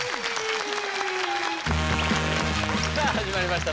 さあ始まりました